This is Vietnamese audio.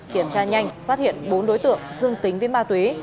kiểm tra nhanh phát hiện bốn đối tượng dương tính với ma túy